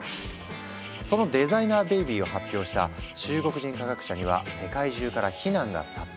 そのデザイナーベビーを発表した中国人科学者には世界中から非難が殺到。